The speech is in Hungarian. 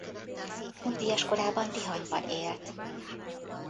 Nyugdíjas korában Tihanyban élt.